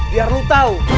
biar lu tau